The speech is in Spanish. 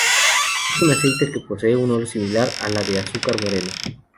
Es un aceite, que posee un olor similar a la de azúcar moreno.